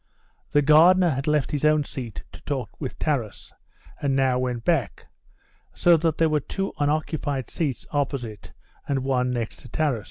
The gardener had left his own seat to talk with Taras, and now went back, so that there were two unoccupied seats opposite and one next to Taras.